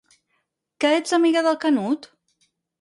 ¿Que ets amiga del Canut?